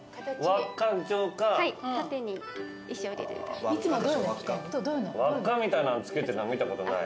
輪っかみたいなの着けてたの見たことない。